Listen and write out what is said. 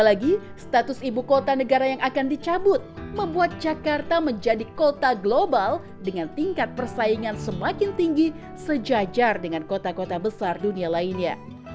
lagi status ibu kota negara yang akan dicabut membuat jakarta menjadi kota global dengan tingkat persaingan semakin tinggi sejajar dengan kota kota besar dunia lainnya